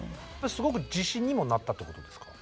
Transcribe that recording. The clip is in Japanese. すごく自信にもなったってことですか？